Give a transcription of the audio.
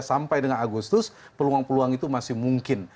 sampai dengan agustus peluang peluang itu masih mungkin